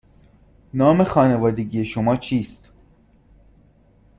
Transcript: نام خانوادگی شما چیست؟